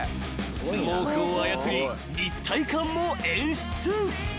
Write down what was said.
［スモークを操り立体感も演出］